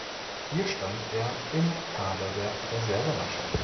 Hier stand er im Kader der Reservemannschaft.